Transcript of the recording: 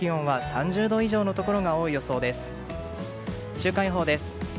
週間予報です。